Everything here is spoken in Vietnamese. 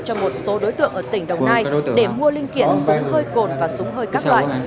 cho một số đối tượng ở tỉnh đồng nai để mua linh kiện súng hơi cồn và súng hơi các loại